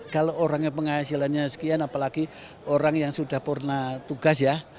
kalau orangnya penghasilannya sekian apalagi orang yang sudah pernah tugas ya